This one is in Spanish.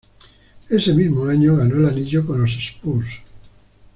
Ese mismo año ganó el anillo con los Spurs.